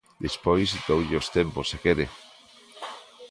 Despois doulle os tempos se quere.